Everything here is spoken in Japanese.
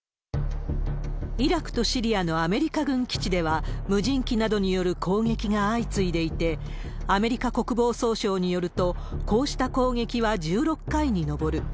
イラクとシリアのアメリカ軍基地では、無人機などによる攻撃が相次いでいて、アメリカ国防総省によると、こうした攻撃は１６回に上る。